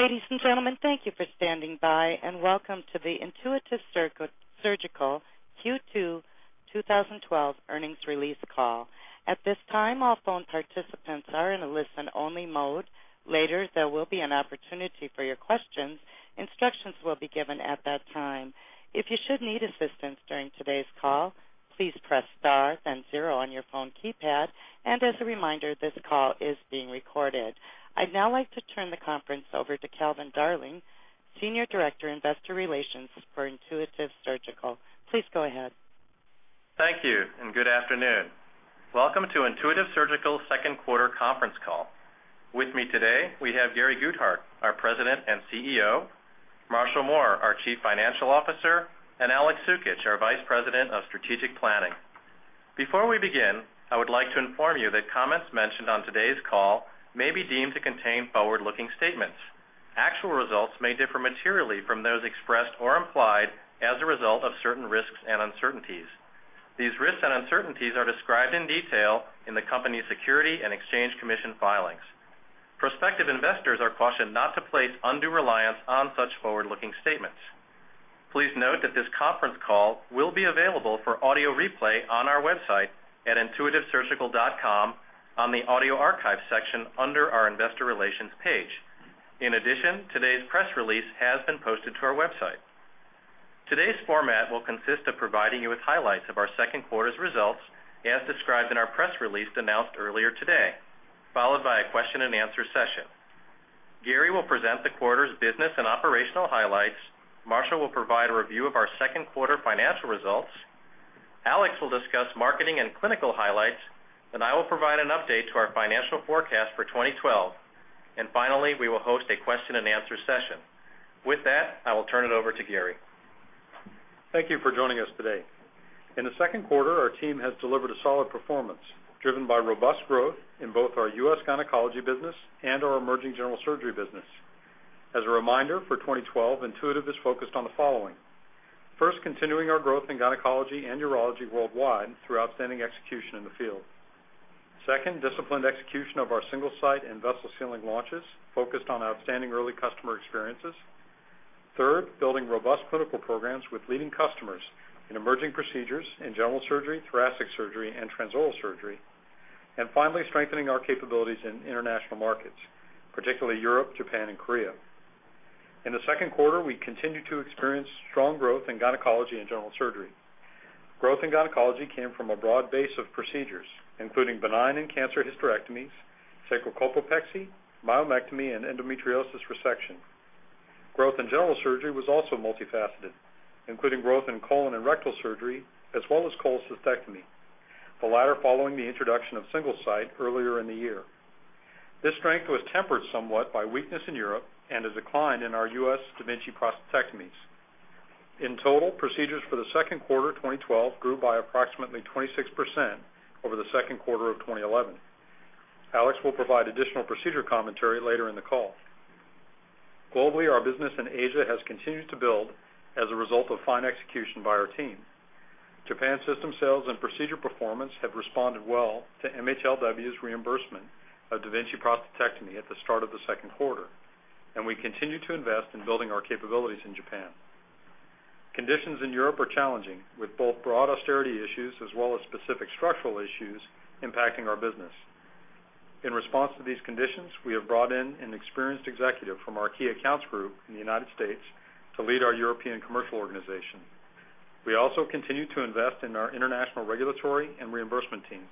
Ladies and gentlemen, thank you for standing by, and welcome to the Intuitive Surgical Q2 2012 earnings release call. At this time, all phone participants are in a listen-only mode. Later, there will be an opportunity for your questions. Instructions will be given at that time. If you should need assistance during today's call, please press star then zero on your phone keypad. As a reminder, this call is being recorded. I'd now like to turn the conference over to Calvin Darling, Senior Director, Investor Relations for Intuitive Surgical. Please go ahead. Thank you, and good afternoon. Welcome to Intuitive Surgical second quarter conference call. With me today, we have Gary Guthart, our President and CEO, Marshall Mohr, our Chief Financial Officer, and Alex Sukitch, our Vice President of Strategic Planning. Before we begin, I would like to inform you that comments mentioned on today's call may be deemed to contain forward-looking statements. Actual results may differ materially from those expressed or implied as a result of certain risks and uncertainties. These risks and uncertainties are described in detail in the company's Securities and Exchange Commission filings. Prospective investors are cautioned not to place undue reliance on such forward-looking statements. Please note that this conference call will be available for audio replay on our website at intuitivesurgical.com on the audio archive section under our investor relations page. In addition, today's press release has been posted to our website. Today's format will consist of providing you with highlights of our second quarter's results, as described in our press release announced earlier today, followed by a question and answer session. Gary will present the quarter's business and operational highlights. Marshall will provide a review of our second quarter financial results. Alex will discuss marketing and clinical highlights, and I will provide an update to our financial forecast for 2012. Finally, we will host a question and answer session. With that, I will turn it over to Gary. Thank you for joining us today. In the second quarter, our team has delivered a solid performance driven by robust growth in both our U.S. gynecology business and our emerging general surgery business. As a reminder, for 2012, Intuitive is focused on the following. First, continuing our growth in gynecology and urology worldwide through outstanding execution in the field. Second, disciplined execution of our Single-Site and vessel sealing launches focused on outstanding early customer experiences. Third, building robust clinical programs with leading customers in emerging procedures in general surgery, thoracic surgery and transoral surgery. Finally, strengthening our capabilities in international markets, particularly Europe, Japan and Korea. In the second quarter, we continued to experience strong growth in gynecology and general surgery. Growth in gynecology came from a broad base of procedures, including benign and cancer hysterectomies, sacrocolpopexy, myomectomy, and endometriosis resection. Growth in general surgery was also multifaceted, including growth in colon and rectal surgery as well as cholecystectomy, the latter following the introduction of Single-Site earlier in the year. This strength was tempered somewhat by weakness in Europe and a decline in our U.S. da Vinci prostatectomies. In total, procedures for the second quarter 2012 grew by approximately 26% over the second quarter of 2011. Alex will provide additional procedure commentary later in the call. Globally, our business in Asia has continued to build as a result of fine execution by our team. Japan system sales and procedure performance have responded well to MHLW's reimbursement of da Vinci prostatectomy at the start of the second quarter, and we continue to invest in building our capabilities in Japan. Conditions in Europe are challenging, with both broad austerity issues as well as specific structural issues impacting our business. In response to these conditions, we have brought in an experienced executive from our key accounts group in the U.S. to lead our European commercial organization. We also continue to invest in our international regulatory and reimbursement teams.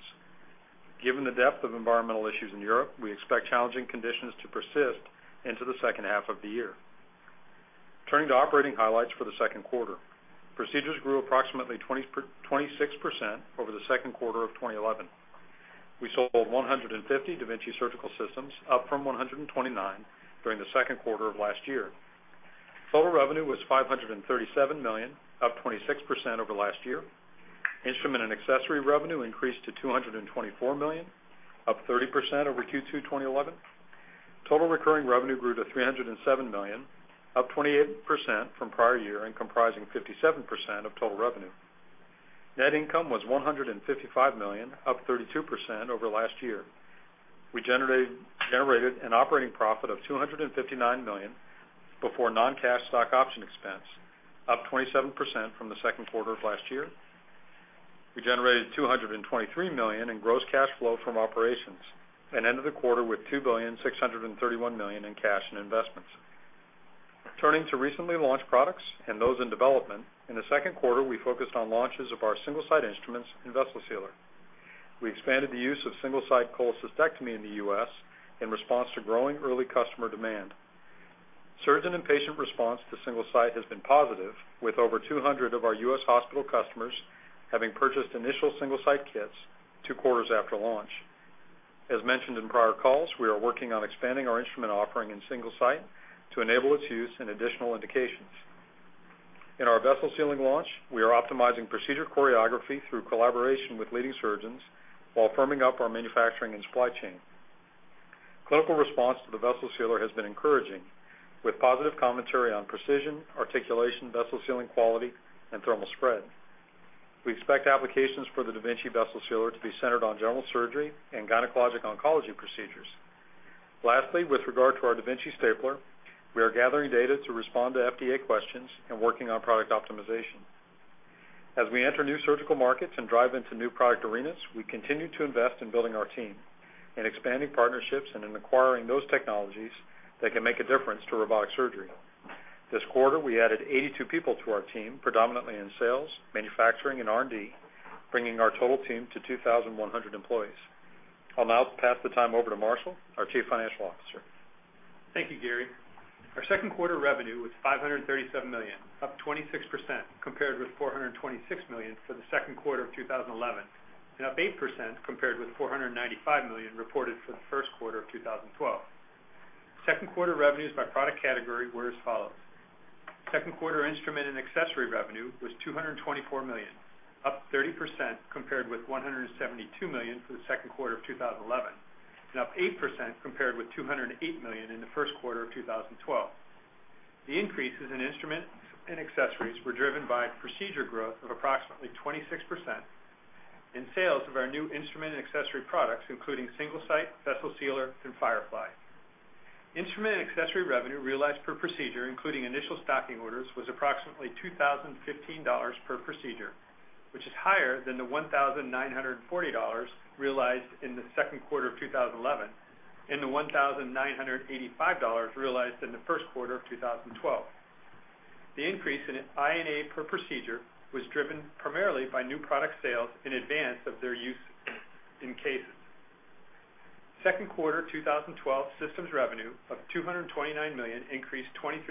Given the depth of environmental issues in Europe, we expect challenging conditions to persist into the second half of the year. Turning to operating highlights for the second quarter. Procedures grew approximately 26% over the second quarter of 2011. We sold 150 da Vinci surgical systems, up from 129 during the second quarter of last year. Total revenue was $537 million, up 26% over last year. Instrument and accessory revenue increased to $224 million, up 30% over Q2 2011. Total recurring revenue grew to $307 million, up 28% from prior year, and comprising 57% of total revenue. Net income was $155 million, up 32% over last year. We generated an operating profit of $259 million before non-cash stock option expense, up 27% from the second quarter of last year. We generated $223 million in gross cash flow from operations and ended the quarter with $2,631,000 in cash and investments. Turning to recently launched products and those in development. In the second quarter, we focused on launches of our Single-Site instruments and Vessel Sealer. We expanded the use of Single-Site cholecystectomy in the U.S. in response to growing early customer demand. Surgeon and patient response to Single-Site has been positive, with over 200 of our U.S. hospital customers having purchased initial Single-Site kits two quarters after launch. As mentioned in prior calls, we are working on expanding our instrument offering in Single-Site to enable its use in additional indications. In our Vessel Sealing launch, we are optimizing procedure choreography through collaboration with leading surgeons while firming up our manufacturing and supply chain. Clinical response to the Vessel Sealer has been encouraging with positive commentary on precision, articulation, vessel sealing quality and thermal spread. We expect applications for the da Vinci Vessel Sealer to be centered on general surgery and gynecologic oncology procedures. Lastly, with regard to our da Vinci Stapler, we are gathering data to respond to FDA questions and working on product optimization. As we enter new surgical markets and drive into new product arenas, we continue to invest in building our team, in expanding partnerships, and in acquiring those technologies that can make a difference to robotic surgery. This quarter, we added 82 people to our team, predominantly in sales, manufacturing, and R&D, bringing our total team to 2,100 employees. I'll now pass the time over to Marshall, our Chief Financial Officer. Thank you, Gary. Our second quarter revenue was $537 million, up 26%, compared with $426 million for the second quarter of 2011, and up 8% compared with $495 million reported for the first quarter of 2012. Second quarter revenues by product category were as follows. Second quarter instrument and accessory revenue was $224 million, up 30% compared with $172 million for the second quarter of 2011, and up 8% compared with $208 million in the first quarter of 2012. The increases in instrument and accessories were driven by procedure growth of approximately 26% and sales of our new instrument and accessory products, including Single-Site, Vessel Sealer, and Firefly. Instrument and accessory revenue realized per procedure, including initial stocking orders, was approximately $2,015 per procedure, which is higher than the $1,940 realized in the second quarter of 2011 and the $1,985 realized in the first quarter of 2012. The increase in I&A per procedure was driven primarily by new product sales in advance of their use in cases. Second quarter 2012 systems revenue of $229 million increased 23%,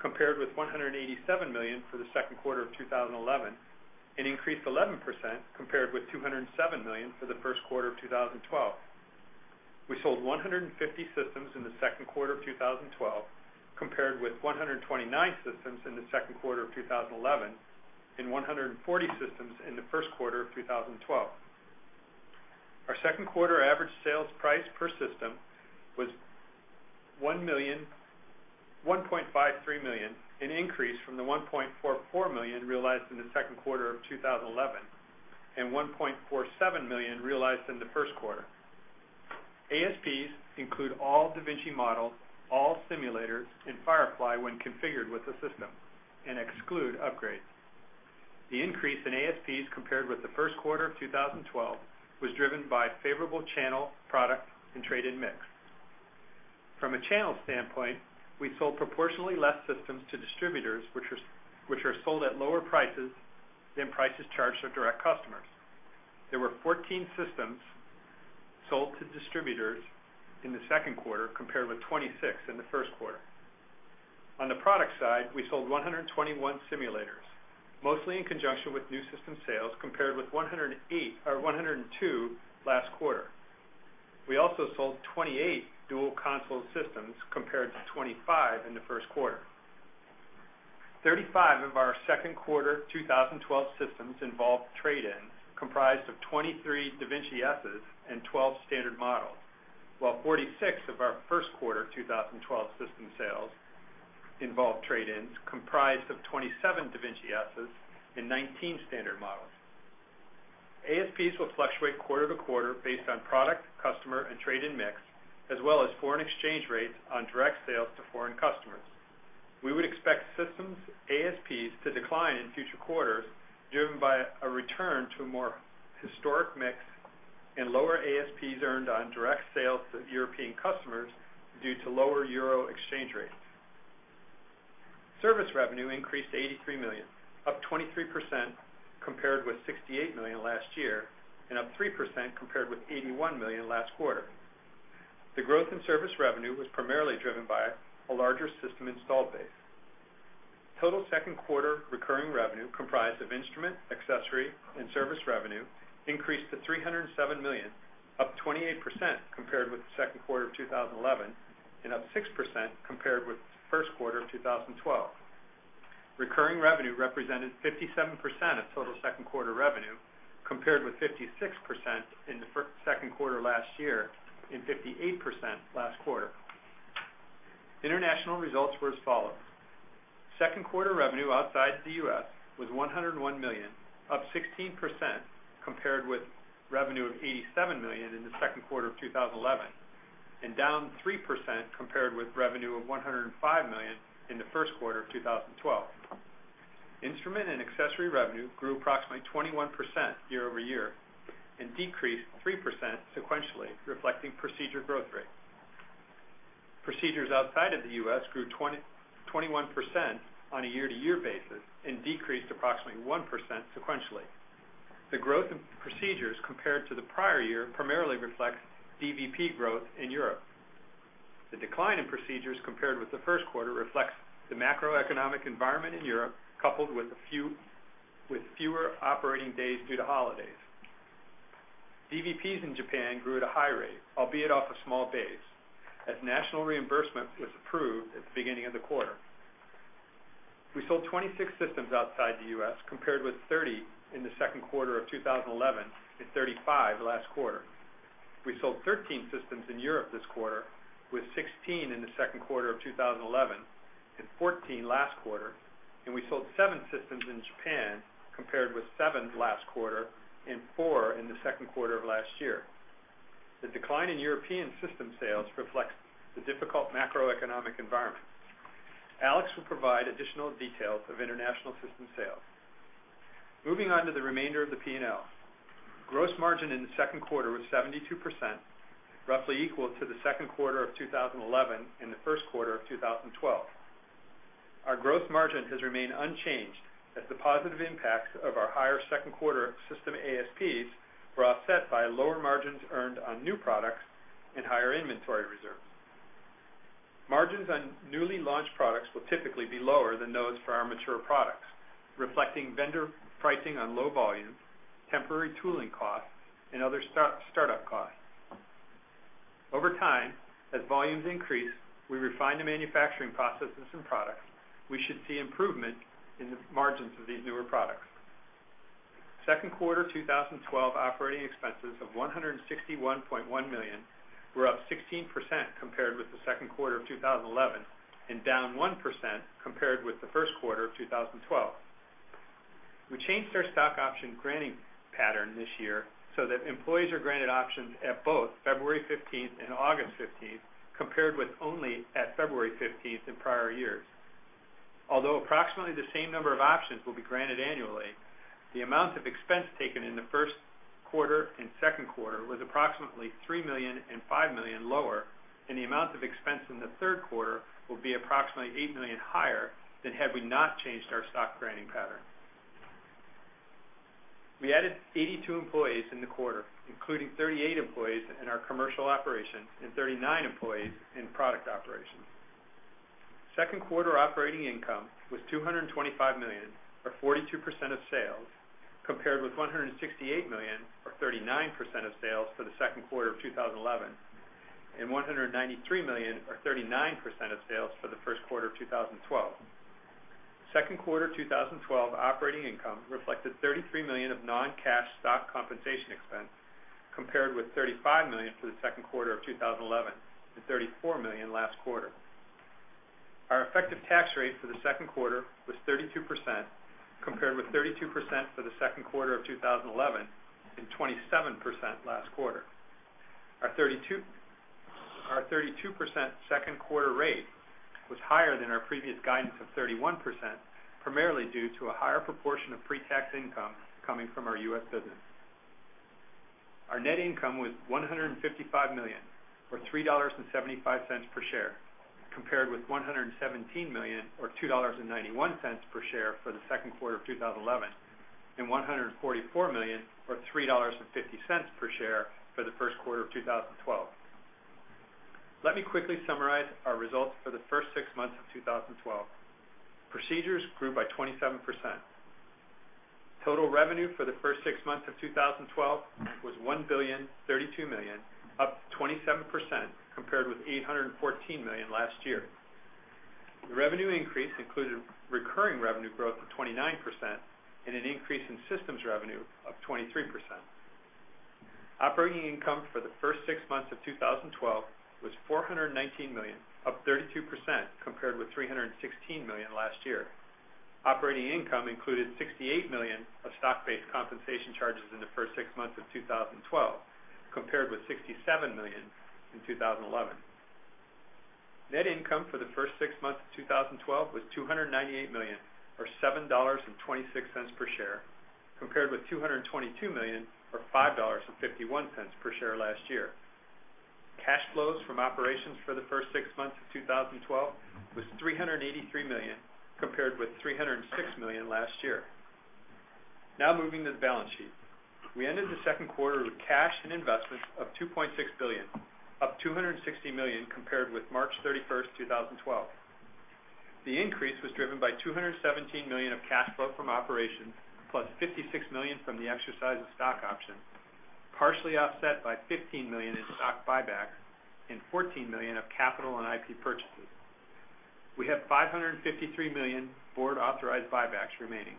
compared with $187 million for the second quarter of 2011, and increased 11% compared with $207 million for the first quarter of 2012. We sold 150 systems in the second quarter of 2012, compared with 129 systems in the second quarter of 2011, and 140 systems in the first quarter of 2012. Our second quarter average sales price per system was $1.53 million, an increase from the $1.44 million realized in the second quarter of 2011, and $1.47 million realized in the first quarter. ASPs include all da Vinci models, all simulators, and Firefly when configured with the system and exclude upgrades. The increase in ASPs compared with the first quarter of 2012 was driven by favorable channel, product, and trade-in mix. From a channel standpoint, we sold proportionally less systems to distributors, which are sold at lower prices than prices charged to direct customers. There were 14 systems sold to distributors in the second quarter, compared with 26 in the first quarter. On the product side, we sold 121 simulators, mostly in conjunction with new system sales, compared with 102 last quarter. We also sold 28 dual-console systems compared to 25 in the first quarter. 35 of our second quarter 2012 systems involved trade-ins, comprised of 23 da Vinci Ss and 12 standard models, while 46 of our first quarter 2012 system sales involved trade-ins, comprised of 27 da Vinci Ss and 19 standard models. ASPs will fluctuate quarter to quarter based on product, customer, and trade-in mix, as well as foreign exchange rates on direct sales to foreign customers. We would expect systems ASPs to decline in future quarters, driven by a return to a more historic mix and lower ASPs earned on direct sales to European customers due to lower euro exchange rates. Service revenue increased to $83 million, up 23% compared with $68 million last year and up 3% compared with $81 million last quarter. The growth in service revenue was primarily driven by a larger system installed base. Total second quarter recurring revenue, comprised of instrument, accessory, and service revenue, increased to $307 million, up 28% compared with the second quarter of 2011 and up 6% compared with the first quarter of 2012. Recurring revenue represented 57% of total second quarter revenue, compared with 56% in the second quarter last year and 58% last quarter. International results were as follows. Second quarter revenue outside the U.S. was $101 million, up 16% compared with revenue of $87 million in the second quarter of 2011, and down 3% compared with revenue of $105 million in the first quarter of 2012. Instrument and accessory revenue grew approximately 21% year-over-year and decreased 3% sequentially, reflecting procedure growth rate. Procedures outside of the U.S. grew 21% on a year-to-year basis and decreased approximately 1% sequentially. The growth in procedures compared to the prior year primarily reflects DVP growth in Europe. The decline in procedures compared with the first quarter reflects the macroeconomic environment in Europe, coupled with fewer operating days due to holidays. DVPs in Japan grew at a high rate, albeit off a small base, as national reimbursement was approved at the beginning of the quarter. We sold 26 systems outside the U.S. compared with 30 in the second quarter of 2011 and 35 last quarter. We sold 13 systems in Europe this quarter, with 16 in the second quarter of 2011 and 14 last quarter, and we sold seven systems in Japan, compared with seven last quarter and four in the second quarter of last year. The decline in European system sales reflects the difficult macroeconomic environment. Alex will provide additional details of international system sales. Moving on to the remainder of the P&L. Gross margin in the second quarter was 72%, roughly equal to the second quarter of 2011 and the first quarter of 2012. Our gross margin has remained unchanged as the positive impacts of our higher second quarter system ASPs were offset by lower margins earned on new products and higher inventory reserves. Margins on newly launched products will typically be lower than those for our mature products, reflecting vendor pricing on low volume, temporary tooling costs, and other startup costs. Over time, as volumes increase, we refine the manufacturing processes and products, we should see improvement in the margins of these newer products. Second quarter 2012 operating expenses of $161.1 million were up 16% compared with the second quarter of 2011 and down 1% compared with the first quarter of 2012. We changed our stock option granting pattern this year so that employees are granted options at both February 15th and August 15th, compared with only at February 15th in prior years. Although approximately the same number of options will be granted annually, the amount of expense taken in the first quarter and second quarter was approximately $3 million and $5 million lower, and the amount of expense in the third quarter will be approximately $8 million higher than had we not changed our stock granting pattern. We added 82 employees in the quarter, including 38 employees in our commercial operations and 39 employees in product operations. Second quarter operating income was $225 million, or 42% of sales, compared with $168 million, or 39% of sales, for the second quarter of 2011, and $193 million, or 39% of sales, for the first quarter of 2012. Second quarter 2012 operating income reflected $33 million of non-cash stock compensation expense, compared with $35 million for the second quarter of 2011 and $34 million last quarter. Our effective tax rate for the second quarter was 32%, compared with 32% for the second quarter of 2011 and 27% last quarter. Our 32% second quarter rate was higher than our previous guidance of 31%, primarily due to a higher proportion of pre-tax income coming from our U.S. business. Our net income was $155 million, or $3.75 per share, compared with $117 million, or $2.91 per share, for the second quarter of 2011, and $144 million, or $3.50 per share, for the first quarter of 2012. Let me quickly summarize our results for the first six months of 2012. Procedures grew by 27%. Total revenue for the first six months of 2012 was $1,032 million, up 27% compared with $814 million last year. The revenue increase included recurring revenue growth of 29% and an increase in systems revenue of 23%. Operating income for the first six months of 2012 was $419 million, up 32% compared with $316 million last year. Operating income included $68 million of stock-based compensation charges in the first six months of 2012, compared with $67 million in 2011. Net income for the first six months of 2012 was $298 million, or $7.26 per share, compared with $222 million, or $5.51 per share, last year. Cash flows from operations for the first six months of 2012 was $383 million, compared with $306 million last year. Now moving to the balance sheet. We ended the second quarter with cash and investments of $2.6 billion, up $260 million compared with March 31st, 2012. The increase was driven by $217 million of cash flow from operations, plus $56 million from the exercise of stock options, partially offset by $15 million in stock buybacks and $14 million of capital and IP purchases. We have $553 million board-authorized buybacks remaining.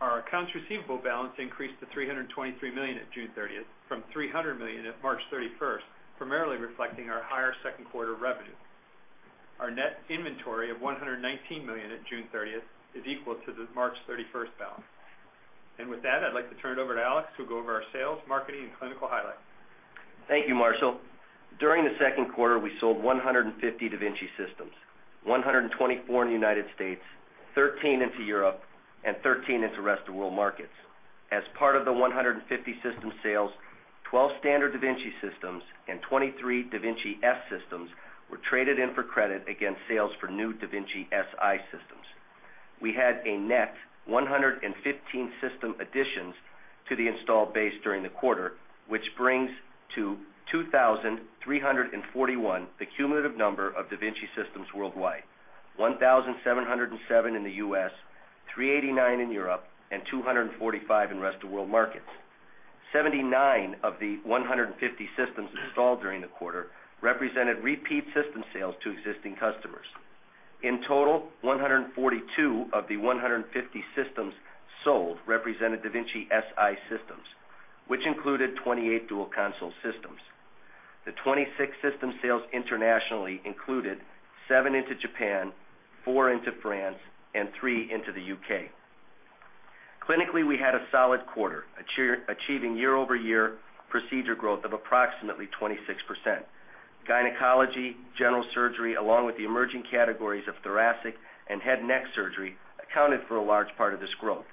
Our accounts receivable balance increased to $323 million at June 30th from $300 million at March 31st, primarily reflecting our higher second quarter revenue. Our net inventory of $119 million at June 30th is equal to the March 31st balance. With that, I'd like to turn it over to Alex, who'll go over our sales, marketing, and clinical highlights. Thank you, Marshall. During the second quarter, we sold 150 da Vinci systems, 124 in the United States, 13 into Europe, and 13 into rest of world markets. As part of the 150 system sales, 12 standard da Vinci systems and 23 da Vinci S systems were traded in for credit against sales for new da Vinci Si systems. We had a net 115 system additions to the installed base during the quarter, which brings to 2,341 the cumulative number of da Vinci systems worldwide, 1,707 in the U.S., 389 in Europe, and 245 in rest of world markets. 79 of the 150 systems installed during the quarter represented repeat system sales to existing customers. In total, 142 of the 150 systems sold represented da Vinci Si systems, which included 28 dual console systems. The 26 system sales internationally included seven into Japan, four into France, and three into the U.K. Clinically, we had a solid quarter, achieving year-over-year procedure growth of approximately 26%. Gynecology, general surgery, along with the emerging categories of thoracic and head neck surgery accounted for a large part of this growth.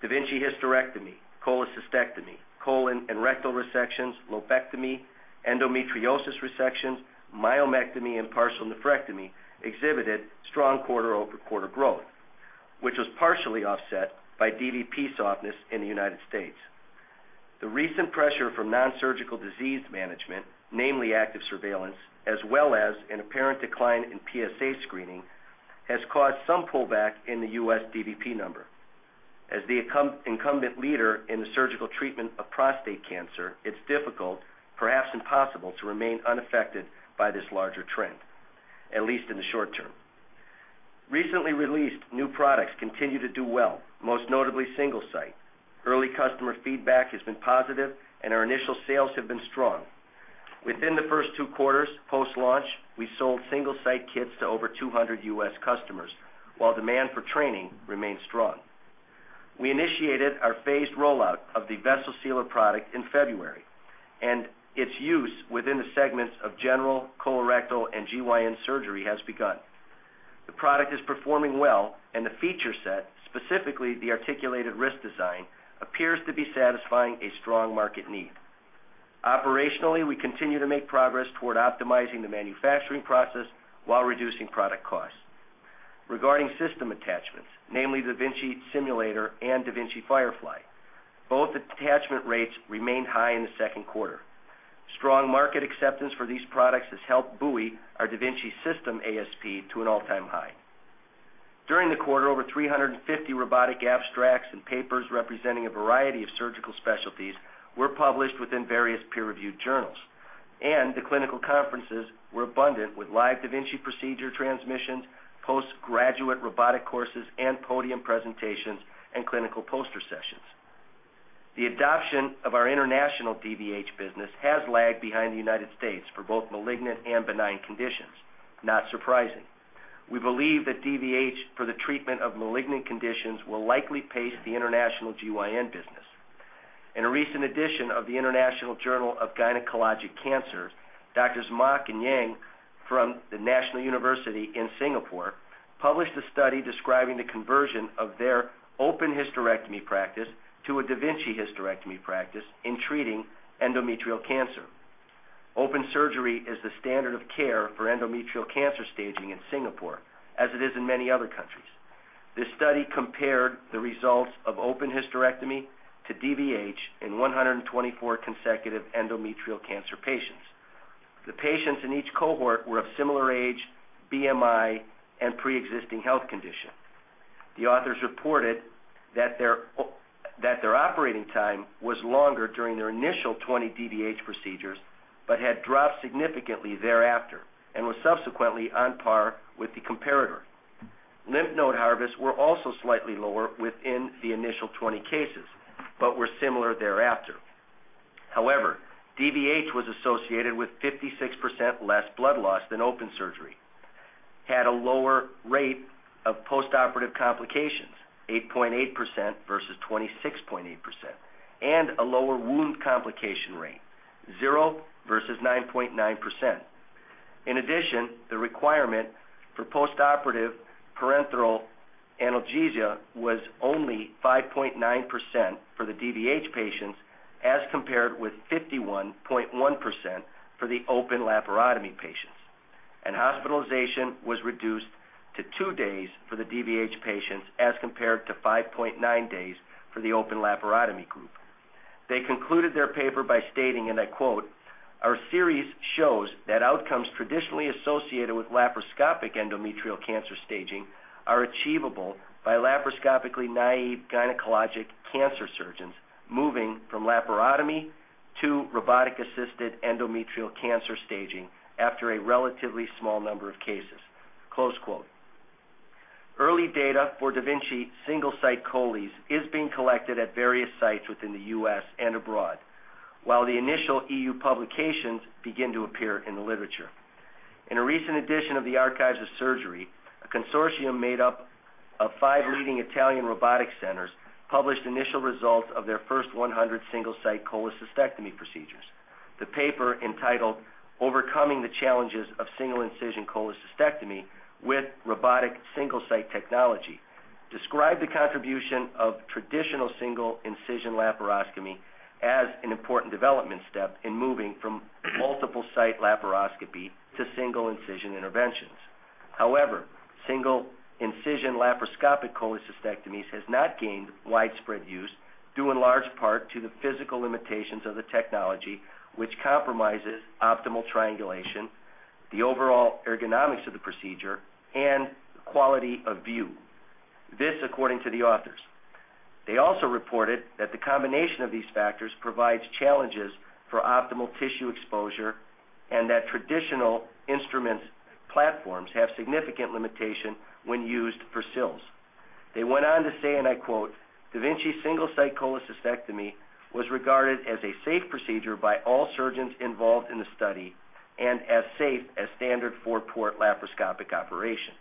Da Vinci hysterectomy, cholecystectomy, colon and rectal resections, lobectomy, endometriosis resections, myomectomy, and partial nephrectomy exhibited strong quarter-over-quarter growth, which was partially offset by DVP softness in the United States. The recent pressure from nonsurgical disease management, namely active surveillance, as well as an apparent decline in PSA screening, has caused some pullback in the U.S. DVP number. As the incumbent leader in the surgical treatment of prostate cancer, it's difficult, perhaps impossible, to remain unaffected by this larger trend, at least in the short term. Recently released new products continue to do well, most notably Single-Site. Early customer feedback has been positive, and our initial sales have been strong. Within the first two quarters post-launch, we sold Single-Site kits to over 200 U.S. customers while demand for training remained strong. We initiated our phased rollout of the Vessel Sealer product in February, and its use within the segments of general, colorectal, and GYN surgery has begun. The product is performing well, and the feature set, specifically the articulated wrist design, appears to be satisfying a strong market need. Operationally, we continue to make progress toward optimizing the manufacturing process while reducing product costs. Regarding system attachments, namely da Vinci Simulator and da Vinci Firefly, both attachment rates remained high in the second quarter. Strong market acceptance for these products has helped buoy our da Vinci system ASP to an all-time high. During the quarter, over 350 robotic abstracts and papers representing a variety of surgical specialties were published within various peer-reviewed journals, and the clinical conferences were abundant with live da Vinci procedure transmissions, post-graduate robotic courses, and podium presentations and clinical poster sessions. The adoption of our international DVH business has lagged behind the United States for both malignant and benign conditions. Not surprising. We believe that DVH for the treatment of malignant conditions will likely pace the international GYN business. In a recent edition of the International Journal of Gynecologic Cancer, doctors Mok and Yang from the National University of Singapore published a study describing the conversion of their open hysterectomy practice to a da Vinci hysterectomy practice in treating endometrial cancer. Open surgery is the standard of care for endometrial cancer staging in Singapore, as it is in many other countries. This study compared the results of open hysterectomy to DVH in 124 consecutive endometrial cancer patients. The patients in each cohort were of similar age, BMI, and preexisting health condition. The authors reported that their operating time was longer during their initial 20 DVH procedures, but had dropped significantly thereafter and was subsequently on par with the comparator. Lymph node harvests were also slightly lower within the initial 20 cases but were similar thereafter. However, DVH was associated with 56% less blood loss than open surgery, had a lower rate of postoperative complications, 8.8% versus 26.8%, and a lower wound complication rate, 0 versus 9.9%. In addition, the requirement for postoperative parenteral analgesia was only 5.9% for the DVH patients, as compared with 51.1% for the open laparotomy patients. Hospitalization was reduced to 2 days for the DVH patients, as compared to 5.9 days for the open laparotomy group. They concluded their paper by stating, and I quote, "Our series shows that outcomes traditionally associated with laparoscopic endometrial cancer staging are achievable by laparoscopically naive gynecologic cancer surgeons moving from laparotomy to robotic-assisted endometrial cancer staging after a relatively small number of cases." Early data for da Vinci Single-Site cholecystectomy is being collected at various sites within the U.S. and abroad while the initial EU publications begin to appear in the literature. In a recent edition of the Archives of Surgery, a consortium made up of 5 leading Italian robotic centers published initial results of their first 100 Single-Site cholecystectomy procedures. The paper entitled, "Overcoming the Challenges of Single Incision Cholecystectomy with Robotic Single-Site Technology," described the contribution of traditional single incision laparoscopy as an important development step in moving from multiple site laparoscopy to single incision interventions. Single incision laparoscopic cholecystectomy has not gained widespread use, due in large part to the physical limitations of the technology, which compromises optimal triangulation, the overall ergonomics of the procedure, and quality of view. This, according to the authors. They also reported that the combination of these factors provides challenges for optimal tissue exposure and that traditional instrument platforms have significant limitation when used for SILS. They went on to say, and I quote, "da Vinci Single-Site cholecystectomy was regarded as a safe procedure by all surgeons involved in the study and as safe as standard 4-port laparoscopic operation."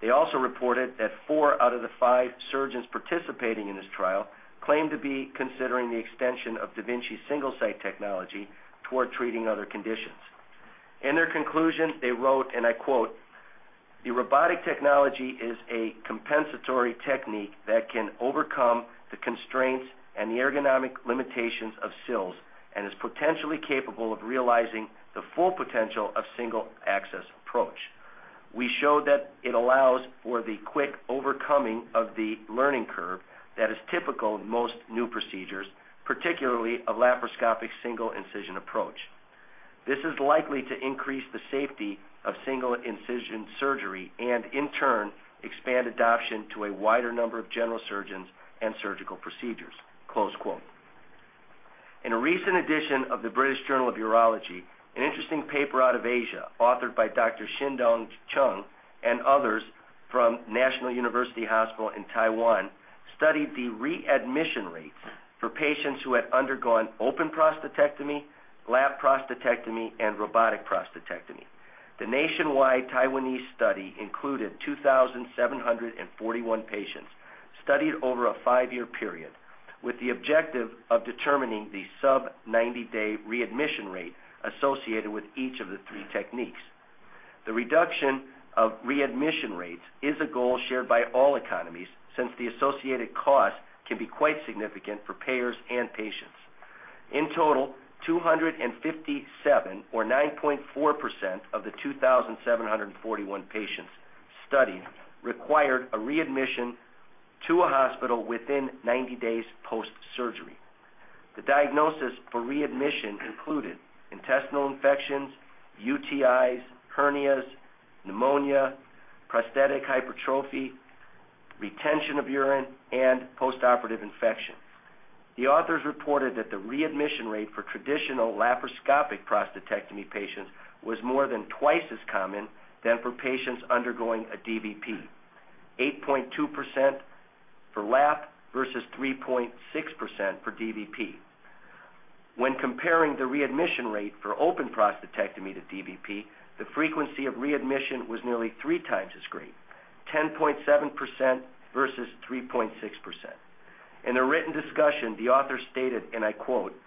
They also reported that 4 out of the 5 surgeons participating in this trial claimed to be considering the extension of da Vinci Single-Site technology toward treating other conditions. In their conclusion, they wrote, and I quote, "The robotic technology is a compensatory technique that can overcome the constraints and the ergonomic limitations of SILS and is potentially capable of realizing the full potential of single-access approach. We show that it allows for the quick overcoming of the learning curve that is typical of most new procedures, particularly a laparoscopic single-incision approach. This is likely to increase the safety of single-incision surgery and, in turn, expand adoption to a wider number of general surgeons and surgical procedures." In a recent edition of the British Journal of Urology, an interesting paper out of Asia, authored by Dr. Hsin-Dong Chung and others from National Taiwan University Hospital, studied the readmission rates for patients who had undergone open prostatectomy, lap prostatectomy, and robotic prostatectomy. The nationwide Taiwanese study included 2,741 patients studied over a five-year period, with the objective of determining the sub-90-day readmission rate associated with each of the three techniques. The reduction of readmission rates is a goal shared by all economies, since the associated cost can be quite significant for payers and patients. In total, 257, or 9.4%, of the 2,741 patients studied required a readmission to a hospital within 90 days post-surgery. The diagnosis for readmission included intestinal infections, UTIs, hernias, pneumonia, prosthetic hypertrophy, retention of urine, and postoperative infection. The authors reported that the readmission rate for traditional laparoscopic prostatectomy patients was more than twice as common than for patients undergoing a DVP, 8.2% for lap versus 3.6% for DVP. When comparing the readmission rate for open prostatectomy to DVP, the frequency of readmission was nearly three times as great, 10.7% versus 3.6%. In a written discussion, the author stated, and I quote,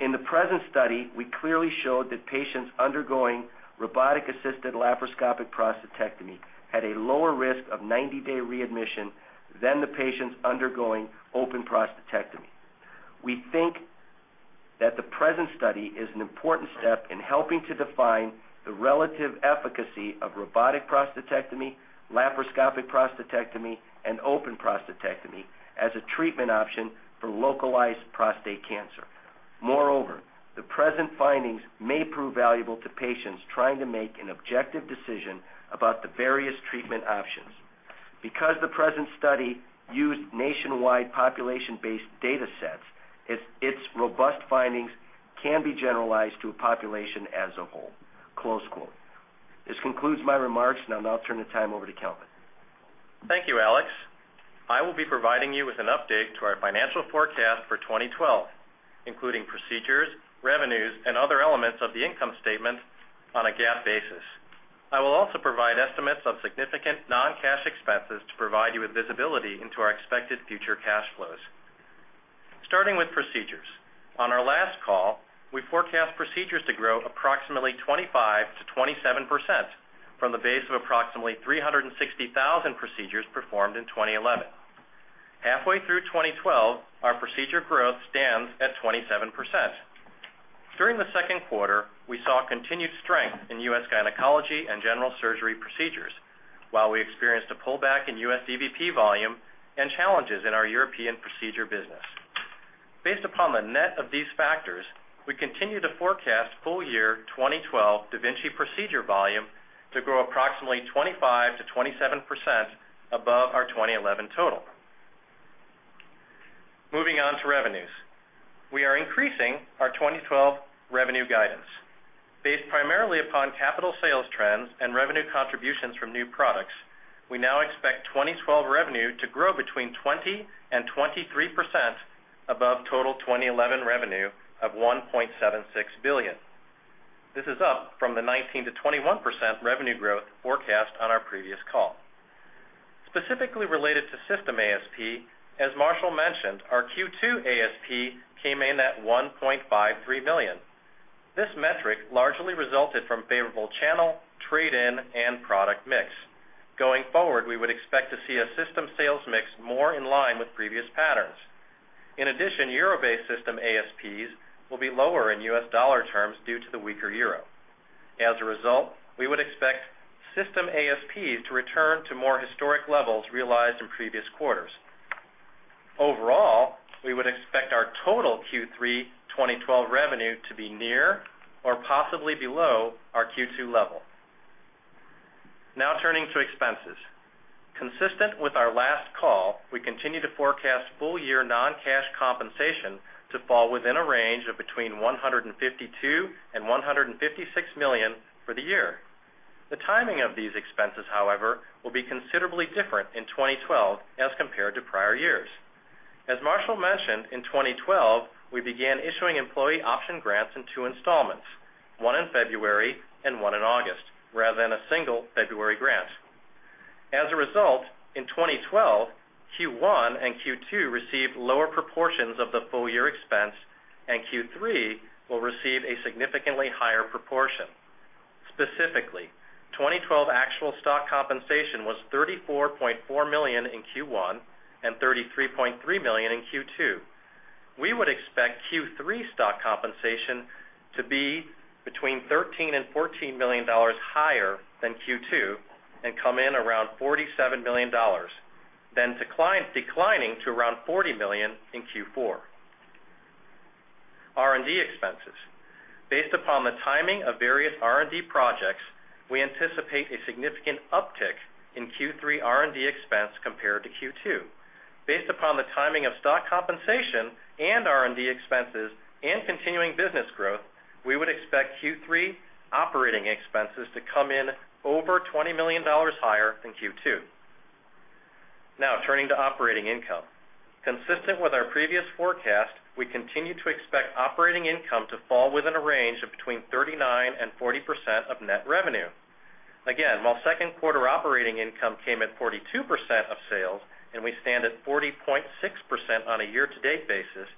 "In the present study, we clearly showed that patients undergoing robotic-assisted laparoscopic prostatectomy had a lower risk of 90-day readmission than the patients undergoing open prostatectomy. We think that the present study is an important step in helping to define the relative efficacy of robotic prostatectomy, laparoscopic prostatectomy, and open prostatectomy as a treatment option for localized prostate cancer. Moreover, the present findings may prove valuable to patients trying to make an objective decision about the various treatment options. Because the present study used nationwide population-based data sets, its robust findings can be generalized to a population as a whole." This concludes my remarks, and I'll now turn the time over to Calvin. Thank you, Alex. I will be providing you with an update to our financial forecast for 2012, including procedures, revenues, and other elements of the income statement on a GAAP basis. I will also provide estimates of significant non-cash expenses to provide you with visibility into our expected future cash flows. Starting with procedures. On our last call, we forecast procedures to grow approximately 25%-27% from the base of approximately 360,000 procedures performed in 2011. Halfway through 2012, our procedure growth stands at 27%. During the second quarter, we saw continued strength in U.S. gynecology and general surgery procedures, while we experienced a pullback in U.S. DVP volume and challenges in our European procedure business. Based upon the net of these factors, we continue to forecast full-year 2012 da Vinci procedure volume to grow approximately 25%-27% above our 2011 total. Moving on to revenues. We are increasing our 2012 revenue guidance. Based primarily upon capital sales trends and revenue contributions from new products, we now expect 2012 revenue to grow between 20% and 23% above total 2011 revenue of $1.76 billion. This is up from the 19%-21% revenue growth forecast on our previous call. Specifically related to system ASP, as Marshall mentioned, our Q2 ASP came in at $1.53 million. This metric largely resulted from favorable channel, trade-in, and product mix. Going forward, we would expect to see a system sales mix more in line with previous patterns. In addition, euro-based system ASPs will be lower in U.S. dollar terms due to the weaker euro. As a result, we would expect system ASPs to return to more historic levels realized in previous quarters. Overall, we would expect our total Q3 2012 revenue to be near or possibly below our Q2 level. Turning to expenses. Consistent with our last call, we continue to forecast full-year non-cash compensation to fall within a range of between $152 million and $156 million for the year. The timing of these expenses, however, will be considerably different in 2012 as compared to prior years. As Marshall mentioned, in 2012, we began issuing employee option grants in two installments, one in February and one in August, rather than a single February grant. As a result, in 2012, Q1 and Q2 received lower proportions of the full-year expense, and Q3 will receive a significantly higher proportion. Specifically, 2012 actual stock compensation was $34.4 million in Q1 and $33.3 million in Q2. We would expect Q3 stock compensation to be between $13 million and $14 million higher than Q2 and come in around $47 million, then declining to around $40 million in Q4. R&D expenses. Based upon the timing of various R&D projects, we anticipate a significant uptick in Q3 R&D expense compared to Q2. Based upon the timing of stock compensation and R&D expenses and continuing business growth, we would expect Q3 operating expenses to come in over $20 million higher than Q2. Turning to operating income. Consistent with our previous forecast, we continue to expect operating income to fall within a range of between 39% and 40% of net revenue. Again, while second quarter operating income came at 42% of sales and we stand at 40.6% on a year-to-date basis,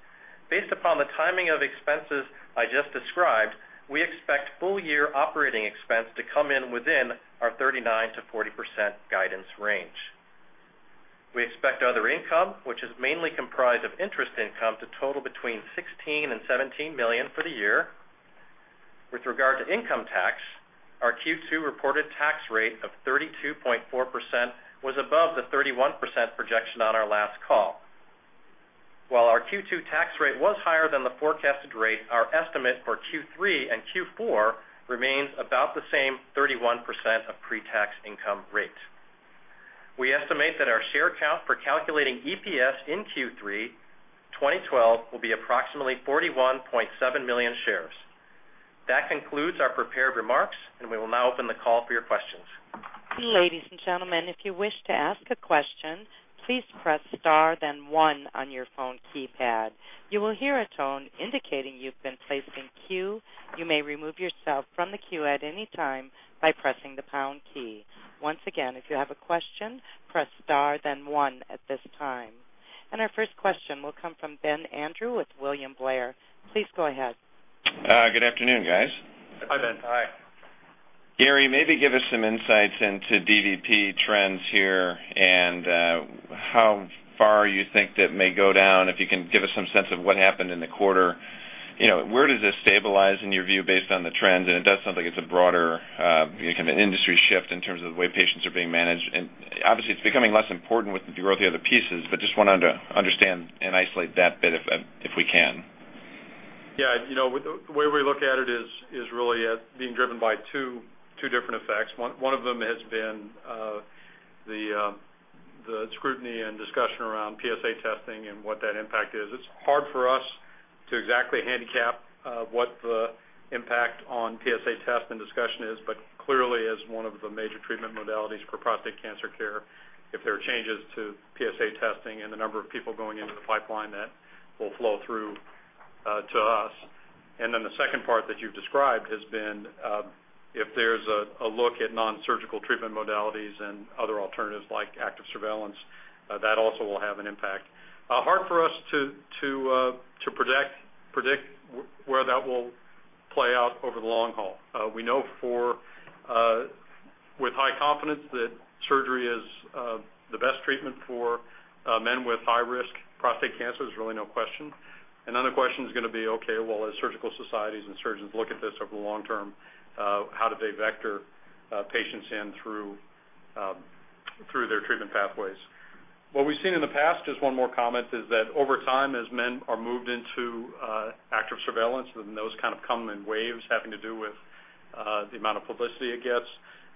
based upon the timing of expenses I just described, we expect full-year operating expense to come in within our 39%-40% guidance range. We expect other income, which is mainly comprised of interest income, to total between $16 million and $17 million for the year. With regard to income tax, our Q2 reported tax rate of 32.4% was above the 31% projection on our last call. While our Q2 tax rate was higher than the forecasted rate, our estimate for Q3 and Q4 remains about the same 31% of pre-tax income rate. We estimate that our share count for calculating EPS in Q3 2012 will be approximately 41.7 million shares. That concludes our prepared remarks, we will now open the call for your questions. Ladies and gentlemen, if you wish to ask a question, please press * then 1 on your phone keypad. You will hear a tone indicating you've been placed in queue. You may remove yourself from the queue at any time by pressing the # key. Once again, if you have a question, press * then 1 at this time. Our first question will come from Ben Andrew with William Blair. Please go ahead. Good afternoon, guys. Hi, Ben. Hi. Gary, maybe give us some insights into DVP trends here and how far you think that may go down. If you can give us some sense of what happened in the quarter. Where does this stabilize in your view based on the trends? It does sound like it's a broader industry shift in terms of the way patients are being managed. Obviously, it's becoming less important with the growth of the other pieces, but just wanted to understand and isolate that bit if we can. Yeah. The way we look at it is really being driven by two different effects. One of them has been the scrutiny and discussion around PSA testing and what that impact is. It's hard for us to exactly handicap what the impact on PSA test and discussion is, but clearly as one of the major treatment modalities for prostate cancer care, if there are changes to PSA testing and the number of people going into the pipeline, that will flow through to us. Then the second part that you've described has been if there's a look at non-surgical treatment modalities and other alternatives like active surveillance, that also will have an impact. Hard for us to predict where that will play out over the long haul. We know with high confidence that surgery is the best treatment for men with high-risk prostate cancer. There's really no question. Another question is going to be, okay, well, as surgical societies and surgeons look at this over the long term, how do they vector patients in through their treatment pathways? What we've seen in the past, just one more comment, is that over time, as men are moved into active surveillance, and those kind of come in waves having to do with the amount of publicity it gets,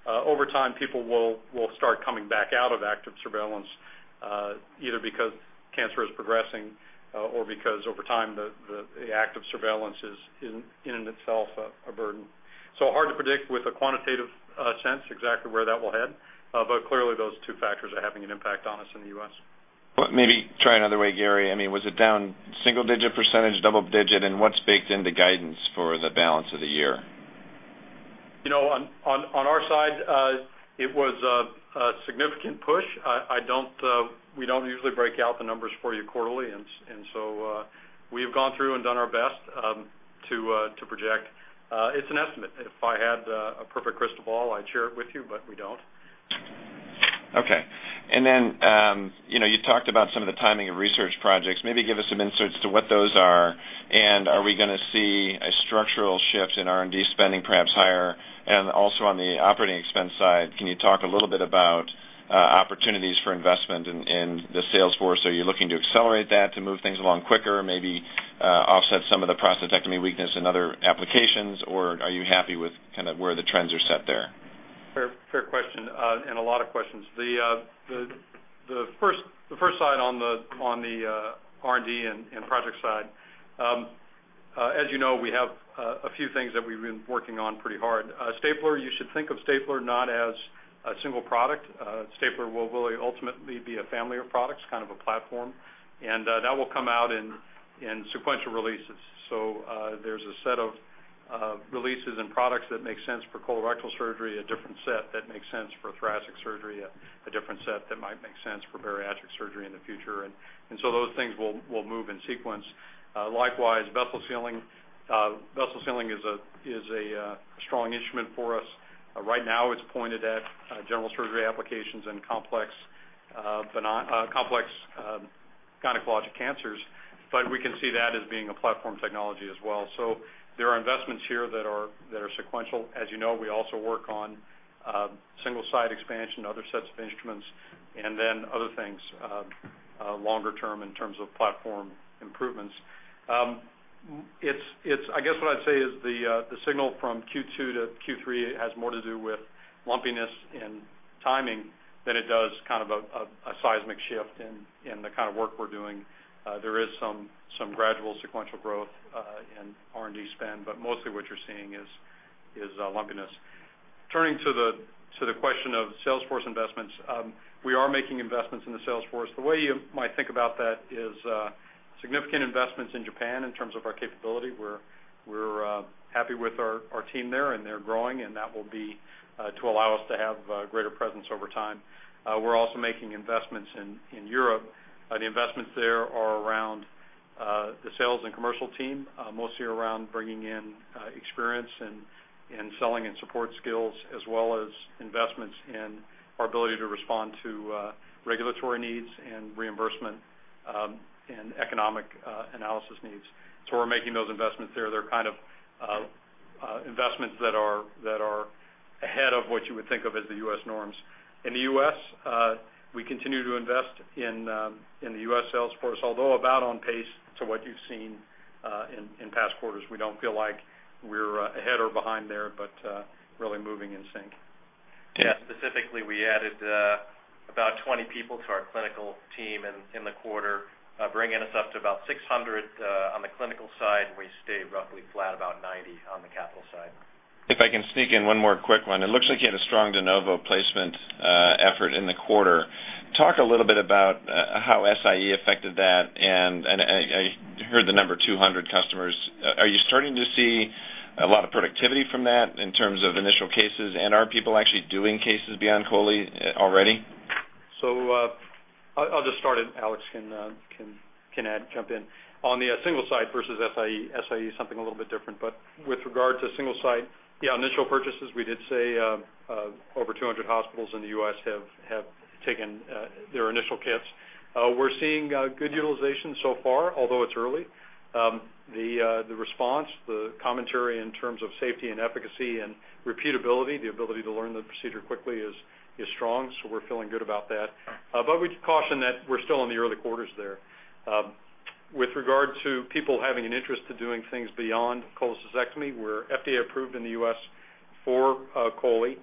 over time, people will start coming back out of active surveillance, either because cancer is progressing or because over time, the active surveillance is in itself a burden. Hard to predict with a quantitative sense exactly where that will head. Clearly, those two factors are having an impact on us in the U.S. Maybe try another way, Gary. Was it down single digit percentage, double digit, what's baked into guidance for the balance of the year? On our side, it was a significant push. We don't usually break out the numbers for you quarterly, we have gone through and done our best to project. It's an estimate. If I had a perfect crystal ball, I'd share it with you, we don't. Okay. You talked about some of the timing of research projects. Maybe give us some insights to what those are we going to see a structural shift in R&D spending perhaps higher? Also on the operating expense side, can you talk a little bit about opportunities for investment in the sales force? Are you looking to accelerate that to move things along quicker, maybe offset some of the prostatectomy weakness in other applications, are you happy with where the trends are set there? Fair question. A lot of questions. The first side on the R&D and project side. As you know, we have a few things that we've been working on pretty hard. Stapler, you should think of Stapler not as a single product. A Stapler will ultimately be a family of products, kind of a platform, and that will come out in sequential releases. There's a set of releases and products that make sense for colorectal surgery, a different set that makes sense for thoracic surgery, a different set that might make sense for bariatric surgery in the future. Those things will move in sequence. Likewise, Vessel Sealing is a strong instrument for us. Right now it's pointed at general surgery applications and complex gynecologic cancers. We can see that as being a platform technology as well. There are investments here that are sequential. As you know, we also work on Single-Site expansion, other sets of instruments, and then other things longer term in terms of platform improvements. I guess what I'd say is the signal from Q2 to Q3 has more to do with lumpiness and timing than it does kind of a seismic shift in the kind of work we're doing. There is some gradual sequential growth in R&D spend, but mostly what you're seeing is lumpiness. Turning to the question of sales force investments, we are making investments in the sales force. The way you might think about that is significant investments in Japan in terms of our capability, where we're happy with our team there, and they're growing, and that will be to allow us to have greater presence over time. We're also making investments in Europe. The investments there are around the sales and commercial team, mostly around bringing in experience and selling and support skills, as well as investments in our ability to respond to regulatory needs and reimbursement and economic analysis needs. We're making those investments there. They're kind of investments that are ahead of what you would think of as the U.S. norms. In the U.S., we continue to invest in the U.S. sales force, although about on pace to what you've seen in past quarters. We don't feel like we're ahead or behind there, but really moving in sync. Yeah. Specifically, we added about 20 people to our clinical team in the quarter, bringing us up to about 600 on the clinical side, and we stayed roughly flat, about 90 on the capital side. If I can sneak in one more quick one. It looks like you had a strong de novo placement effort in the quarter. Talk a little bit about how SIE affected that, and I heard the number 200 customers. Are you starting to see a lot of productivity from that in terms of initial cases, and are people actually doing cases beyond Coley already? I'll just start, and Alex can jump in. On the Single-Site versus SIE is something a little bit different. With regard to Single-Site, yeah, initial purchases, we did say over 200 hospitals in the U.S. have taken their initial kits. We're seeing good utilization so far, although it's early. The response, the commentary in terms of safety and efficacy and repeatability, the ability to learn the procedure quickly is strong. We're feeling good about that. We'd caution that we're still in the early quarters there. With regard to people having an interest to doing things beyond cholecystectomy, we're FDA approved in the U.S. for Coley.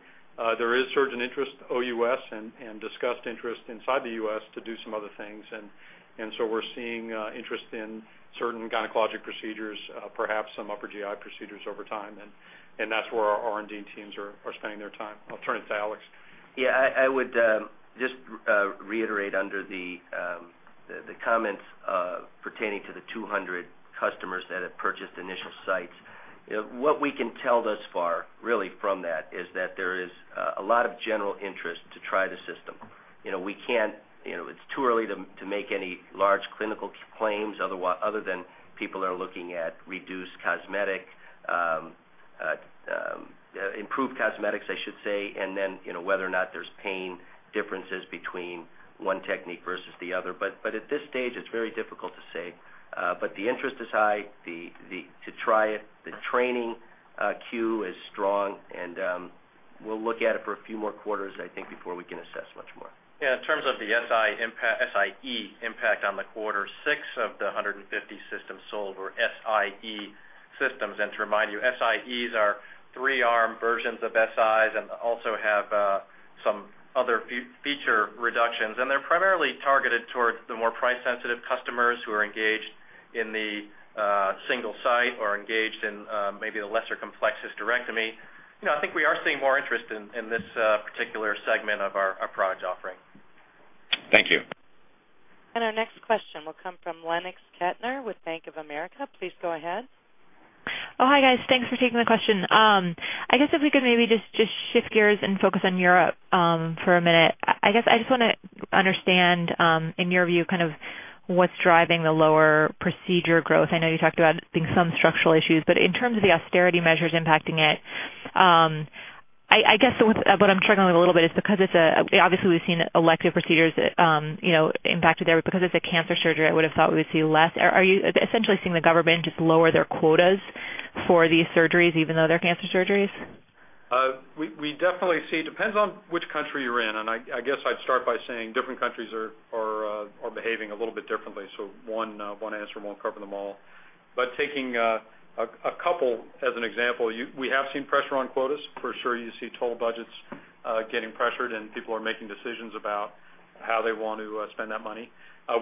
There is surgeon interest OUS and discussed interest inside the U.S. to do some other things, we're seeing interest in certain gynecologic procedures, perhaps some upper GI procedures over time, and that's where our R&D teams are spending their time. I'll turn it to Alex. I would just reiterate under the comments pertaining to the 200 customers that have purchased initial sites. What we can tell thus far really from that is that there is a lot of general interest to try the system. It's too early to make any large clinical claims other than people are looking at improved cosmetics, I should say, and then whether or not there's pain differences between one technique versus the other. At this stage, it's very difficult to say. The interest is high to try it. The training queue is strong, and we'll look at it for a few more quarters, I think, before we can assess much more. In terms of the SIE impact on the quarter, six of the 150 systems sold were SIE systems. To remind you, Si-es are three-arm versions of Sis and also have some other feature reductions. They're primarily targeted towards the more price-sensitive customers who are engaged in the Single-Site or engaged in maybe the lesser complex hysterectomy. I think we are seeing more interest in this particular segment of our product offering. Thank you. Our next question will come from Bob Hopkins with Bank of America. Please go ahead. Oh, hi, guys. Thanks for taking the question. I guess if we could maybe just shift gears and focus on Europe for a minute. I guess I just want to understand, in your view, kind of what's driving the lower procedure growth. I know you talked about I think some structural issues. In terms of the austerity measures impacting it, I guess what I'm struggling with a little bit is because obviously we've seen elective procedures impacted there, because it's a cancer surgery, I would've thought we would see less. Are you essentially seeing the government just lower their quotas for these surgeries even though they're cancer surgeries? We definitely see it depends on which country you're in, and I guess I'd start by saying different countries are behaving a little bit differently. One answer won't cover them all. Taking a couple as an example, we have seen pressure on quotas. For sure you see total budgets getting pressured and people are making decisions about how they want to spend that money.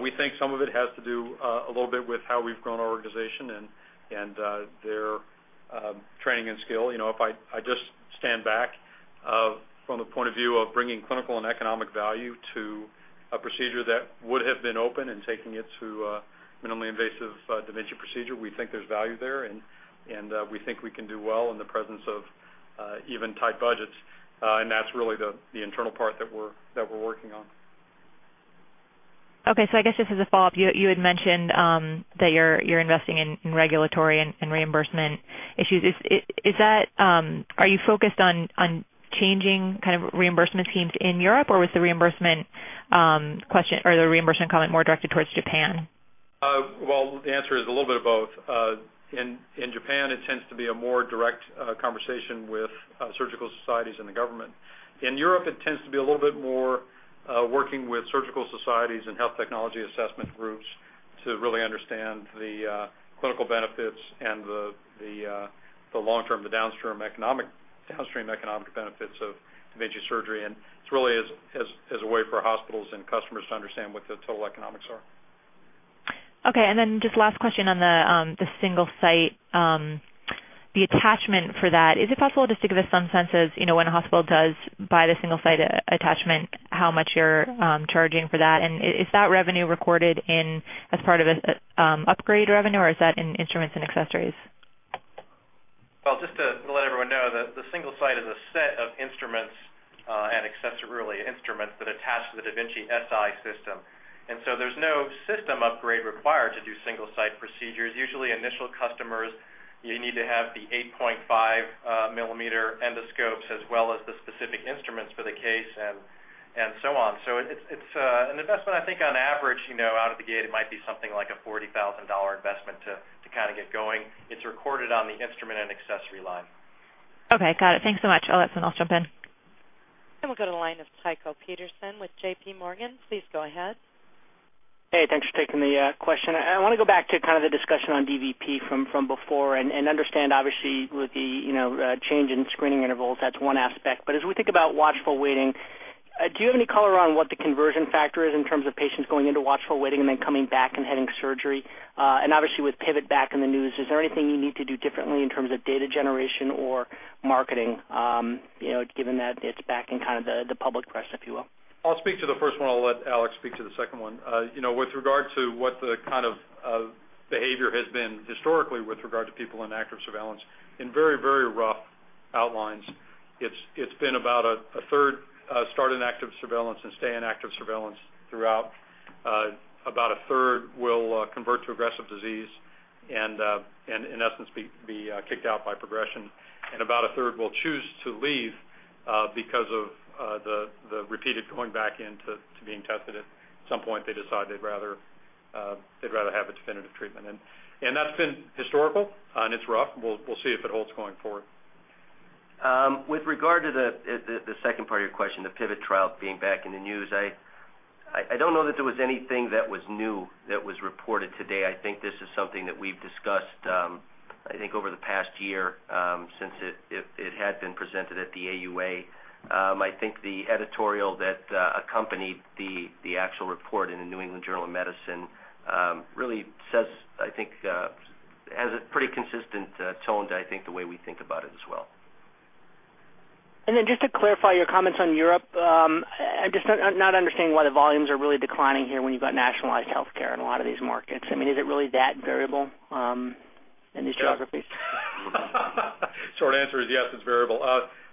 We think some of it has to do a little bit with how we've grown our organization and their training and skill. If I just stand back from the point of view of bringing clinical and economic value to a procedure that would have been open and taking it to a minimally invasive da Vinci procedure, we think there's value there, and we think we can do well in the presence of even tight budgets. That's really the internal part that we're working on. Okay. I guess just as a follow-up, you had mentioned that you're investing in regulatory and reimbursement issues. Are you focused on changing kind of reimbursement schemes in Europe, or was the reimbursement comment more directed towards Japan? The answer is a little bit of both. In Japan, it tends to be a more direct conversation with surgical societies and the government. In Europe, it tends to be a little bit more working with surgical societies and health technology assessment groups to really understand the clinical benefits and the long-term, the downstream economic benefits of da Vinci surgery. It's really as a way for hospitals and customers to understand what the total economics are. Okay, just last question on the Single-Site, the attachment for that. Is it possible just to give us some sense of when a hospital does buy the Single-Site attachment, how much you're charging for that? Is that revenue recorded in as part of upgrade revenue, or is that in instruments and accessories? Well, just to let everyone know, the Single-Site is a set of instruments and accessory, really, instruments that attach to the da Vinci Si system. There's no system upgrade required to do Single-Site procedures. Usually initial customers, you need to have the 8.5-millimeter endoscopes as well as the specific instruments for the case and so on. It's an investment, I think on average, out of the gate, it might be something like a $40,000 investment to kind of get going. It's recorded on the instrument and accessory line. Okay, got it. Thanks so much. I'll let someone else jump in. We'll go to the line of Tycho Pedersen with JPMorgan. Please go ahead. Hey, thanks for taking the question. I want to go back to kind of the discussion on DVP from before and understand, obviously, with the change in screening intervals, that's one aspect. As we think about watchful waiting, do you have any color on what the conversion factor is in terms of patients going into watchful waiting and then coming back and having surgery? Obviously with Pivot back in the news, is there anything you need to do differently in terms of data generation or marketing given that it's back in kind of the public press, if you will? I'll speak to the first one. I'll let Alex speak to the second one. With regard to what the kind of behavior has been historically with regard to people in active surveillance, in very rough outlines, it's been about a third start in active surveillance and stay in active surveillance throughout. About a third will convert to aggressive disease and, in essence, be kicked out by progression. About a third will choose to leave because of the repeated going back in to being tested. At some point, they decide they'd rather have a definitive treatment. That's been historical, and it's rough. We'll see if it holds going forward. With regard to the second part of your question, the Pivot trial being back in the news, I don't know that there was anything that was new that was reported today. I think this is something that we've discussed, I think, over the past year since it had been presented at the AUA. I think the editorial that accompanied the actual report in The New England Journal of Medicine really says, I think, has a pretty consistent tone to, I think, the way we think about it as well. Then just to clarify your comments on Europe, I'm just not understanding why the volumes are really declining here when you've got nationalized healthcare in a lot of these markets. I mean, is it really that variable in these geographies? Short answer is yes, it's variable.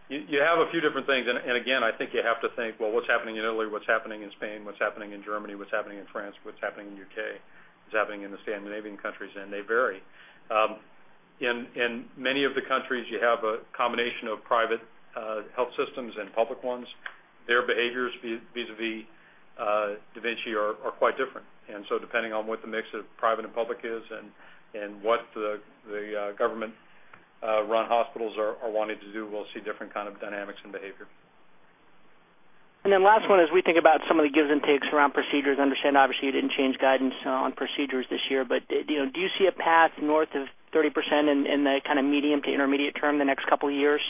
Again, I think you have to think, well, what's happening in Italy? What's happening in Spain? What's happening in Germany? What's happening in France? What's happening in the U.K.? What's happening in the Scandinavian countries? They vary. In many of the countries, you have a combination of private health systems and public ones. Their behaviors vis-à-vis da Vinci are quite different. Depending on what the mix of private and public is and what the government-run hospitals are wanting to do, we'll see different kind of dynamics and behavior. Last one, as we think about some of the gives and takes around procedures, I understand obviously you didn't change guidance on procedures this year, do you see a path north of 30% in the kind of medium to intermediate term the next couple of years,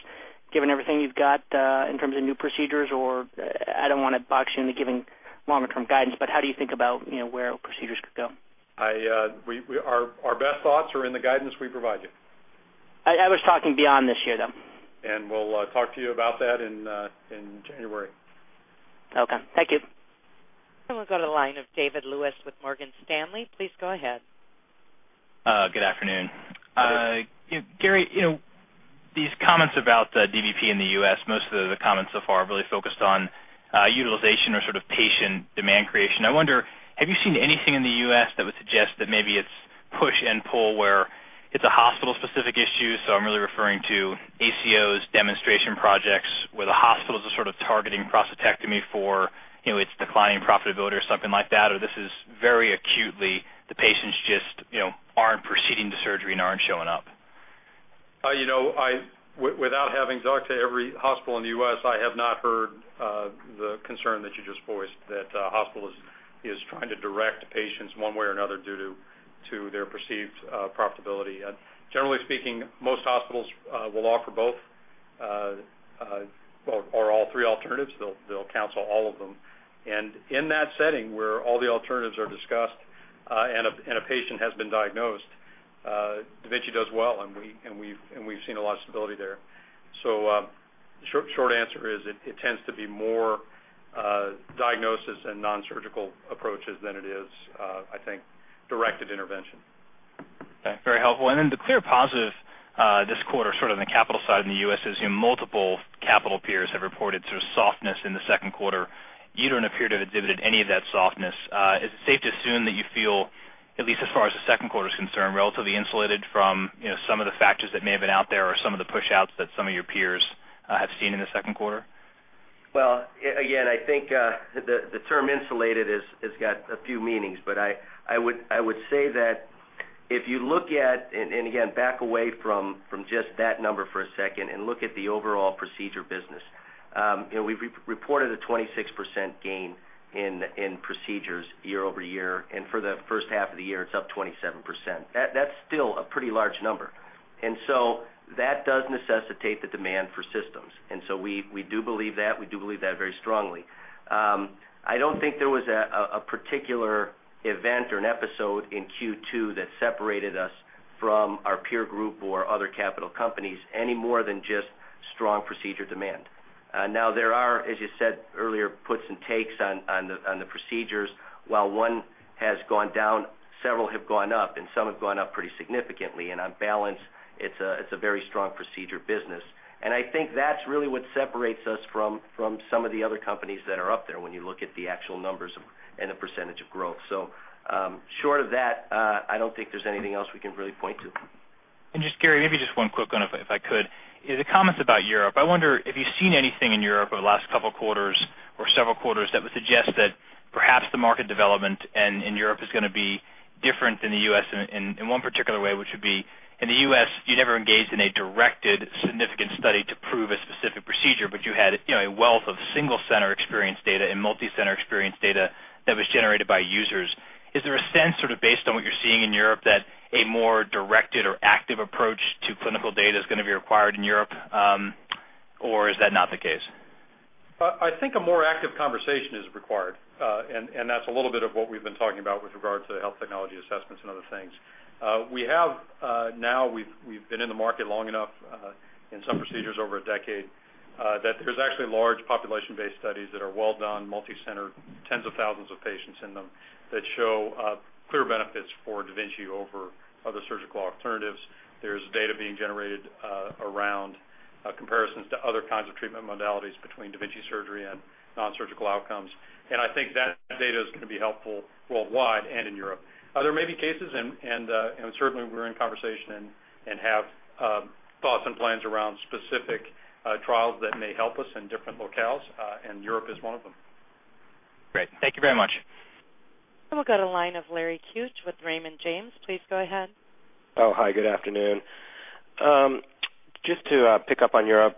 given everything you've got in terms of new procedures? I don't want to box you into giving longer-term guidance, but how do you think about where procedures could go? Our best thoughts are in the guidance we provide you. I was talking beyond this year, though. We'll talk to you about that in January. Okay. Thank you. We'll go to the line of David Lewis with Morgan Stanley. Please go ahead. Good afternoon. Gary, these comments about the DVP in the U.S., most of the comments so far have really focused on utilization or sort of patient demand creation. I wonder, have you seen anything in the U.S. that would suggest that maybe it's push and pull, where it's a hospital-specific issue, so I'm really referring to ACOs, demonstration projects where the hospitals are sort of targeting prostatectomy for its declining profitability or something like that, or this is very acutely the patients just aren't proceeding to surgery and aren't showing up? Without having talked to every hospital in the U.S., I have not heard the concern that you just voiced that a hospital is trying to direct patients one way or another due to their perceived profitability. Generally speaking, most hospitals will offer both or all three alternatives. They'll counsel all of them. In that setting where all the alternatives are discussed and a patient has been diagnosed, da Vinci does well, and we've seen a lot of stability there. The short answer is it tends to be more diagnosis and nonsurgical approaches than it is, I think, directed intervention. Okay. Very helpful. Then the clear positive this quarter, sort of on the capital side in the U.S., is multiple capital peers have reported sort of softness in the second quarter. You don't appear to have exhibited any of that softness. Is it safe to assume that you feel, at least as far as the second quarter is concerned, relatively insulated from some of the factors that may have been out there or some of the pushouts that some of your peers have seen in the second quarter? Well, again, I think the term insulated has got a few meanings. I would say that if you look at, again, back away from just that number for a second and look at the overall procedure business. We've reported a 26% gain in procedures year-over-year, and for the first half of the year, it's up 27%. That's still a pretty large number. We do believe that. We do believe that very strongly. I don't think there was a particular event or an episode in Q2 that separated us from our peer group or other capital companies any more than just strong procedure demand. There are, as you said earlier, puts and takes on the procedures. While one has gone down, several have gone up, and some have gone up pretty significantly, and on balance, it's a very strong procedure business. I think that's really what separates us from some of the other companies that are up there when you look at the actual numbers and the percentage of growth. Short of that, I don't think there's anything else we can really point to. Just Gary, maybe just one quick one, if I could. The comments about Europe, I wonder if you've seen anything in Europe over the last couple of quarters or several quarters that would suggest that perhaps the market development in Europe is going to be different than the U.S. in one particular way, which would be, in the U.S., you never engaged in a directed significant study to prove a specific procedure, but you had a wealth of single-center experience data and multi-center experience data that was generated by users. Is there a sense sort of based on what you're seeing in Europe that a more directed or active approach to clinical data is going to be required in Europe? Or is that not the case? I think a more active conversation is required. That's a little bit of what we've been talking about with regard to the health technology assessments and other things. We have now, we've been in the market long enough, in some procedures over a decade, that there's actually large population-based studies that are well done, multi-centered, tens of thousands of patients in them that show clear benefits for da Vinci over other surgical alternatives. There's data being generated around comparisons to other kinds of treatment modalities between da Vinci surgery and nonsurgical outcomes. I think that data is going to be helpful worldwide and in Europe. There may be cases, and certainly we're in conversation and have thoughts and plans around specific trials that may help us in different locales, and Europe is one of them. Great. Thank you very much. We'll go to the line of Larry Biegelsen with Raymond James. Please go ahead. Oh, hi. Good afternoon. Just to pick up on Europe.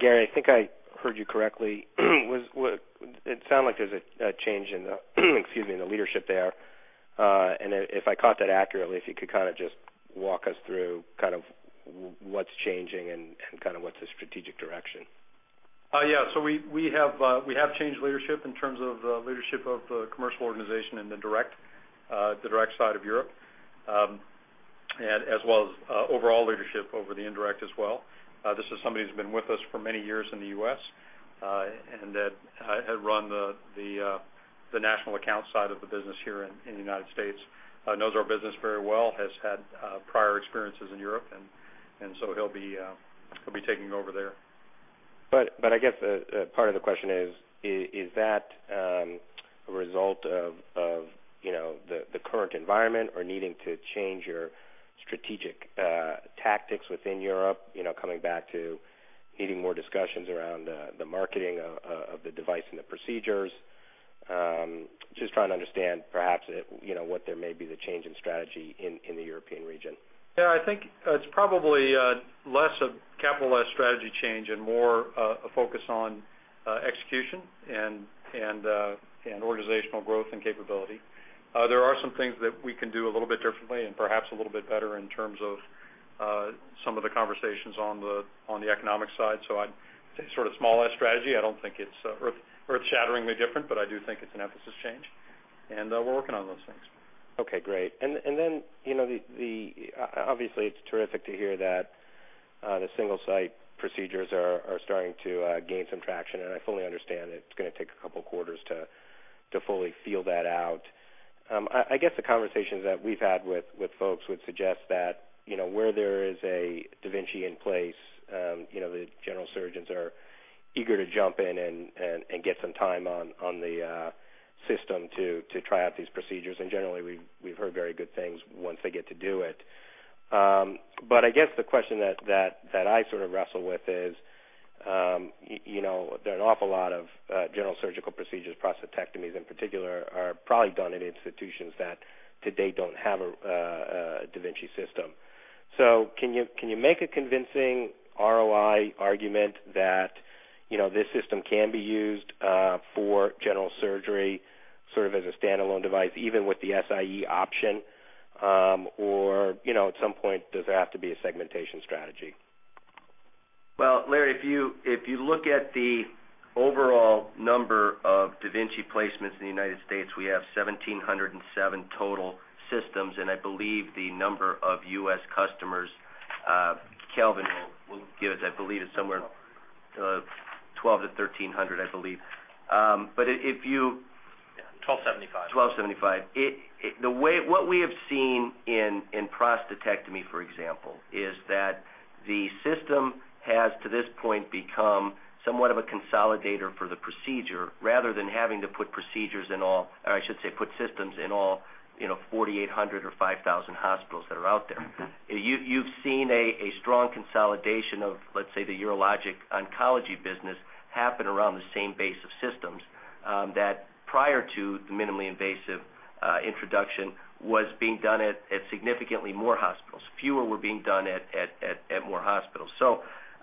Gary, I think I heard you correctly. It sounded like there's a change in the leadership there. If I caught that accurately, if you could kind of just walk us through kind of what's changing and kind of what's the strategic direction. Yeah. We have changed leadership in terms of leadership of the commercial organization in the direct side of Europe, as well as overall leadership over the indirect as well. This is somebody who's been with us for many years in the U.S., had run the national account side of the business here in the United States, knows our business very well, has had prior experiences in Europe, he'll be taking over there. I guess part of the question is that a result of the current environment or needing to change your strategic tactics within Europe, coming back to needing more discussions around the marketing of the device and the procedures? Just trying to understand perhaps what there may be the change in strategy in the European region. Yeah, I think it's probably less of capital S strategy change and more a focus on execution and organizational growth and capability. There are some things that we can do a little bit differently and perhaps a little bit better in terms of some of the conversations on the economic side. I'd say sort of small S strategy. I don't think it's earth-shatteringly different, I do think it's an emphasis change, we're working on those things. Okay, great. Obviously, it's terrific to hear that the Single-Site procedures are starting to gain some traction, and I fully understand that it's going to take a couple of quarters to fully feel that out. I guess the conversations that we've had with folks would suggest that where there is a da Vinci in place, the general surgeons are eager to jump in and get some time on the system to try out these procedures. Generally, we've heard very good things once they get to do it. I guess the question that I sort of wrestle with is, there are an awful lot of general surgical procedures, prostatectomies in particular, are probably done in institutions that today don't have a da Vinci system. Can you make a convincing ROI argument that this system can be used for general surgery sort of as a standalone device, even with the Si-e option? At some point, does it have to be a segmentation strategy? Well, Larry, if you look at the overall number of da Vinci placements in the United States, we have 1,707 total systems, and I believe the number of U.S. customers, Calvin will give it. I believe it's somewhere, 1,200-1,300, I believe. 1,275. 1,275. What we have seen in prostatectomy, for example, is that the system has, to this point, become somewhat of a consolidator for the procedure rather than having to put systems in all 4,800 or 5,000 hospitals that are out there. Okay. You've seen a strong consolidation of, let's say, the urologic oncology business happen around the same base of systems that prior to the minimally invasive introduction was being done at significantly more hospitals. Fewer were being done at more hospitals.